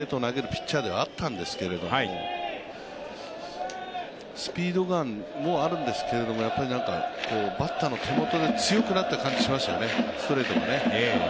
もともといいストレートを投げるピッチャーではあったんですけれどもスピードガンもあるんですけど、バッターの手元で強くなった感じがしましたよね、ストレートが。